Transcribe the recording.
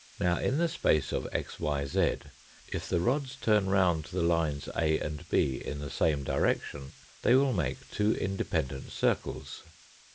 Now, in the space of xyz if the rods turn round the lines A and B in the same direction they will make two independent circles.